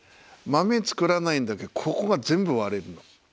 まめ作らないんだけどここが全部割れるの。